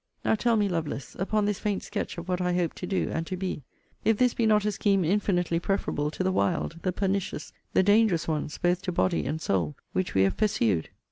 Now tell me, Lovelace, upon this faint sketch of what I hope to do, and to be, if this be not a scheme infinitely preferable to the wild, the pernicious, the dangerous ones, both to body and soul, which we have pursued?